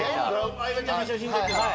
相葉ちゃんが写真撮ってた。